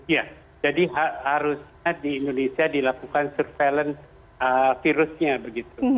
ya jadi harusnya di indonesia dilakukan surveillance virusnya begitu